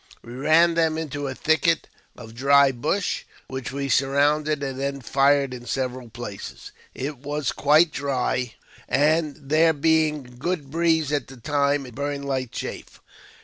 We ran them into a thicket of dry bush, which we surrounded, and then fired in several places. It was quite dry, and, there being a good breeze at the time, it burned like chaff.